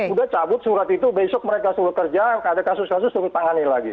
udah cabut surat itu besok mereka suruh kerja ada kasus kasus suruh tangani lagi